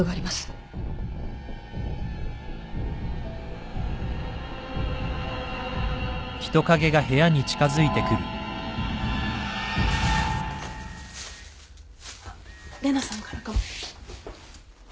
玲奈さんからかも。